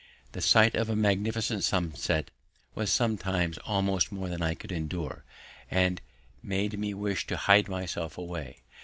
The sight of a magnificent sunset was sometimes almost more than I could endure and made me wish to hide myself away.